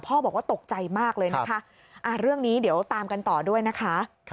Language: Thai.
บอกว่าตกใจมากเลยนะคะเรื่องนี้เดี๋ยวตามกันต่อด้วยนะคะ